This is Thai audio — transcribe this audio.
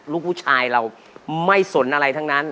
ลูกผู้ชายเราไม่สนอะไรทั้งนั้น